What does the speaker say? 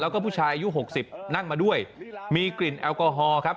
แล้วก็ผู้ชายอายุหกสิบนั่งมาด้วยมีกลิ่นแอลกอฮอล์ครับ